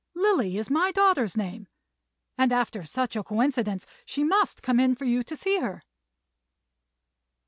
Lily is my daughter's name; and, after such a coincidence, she must come in for you to see her."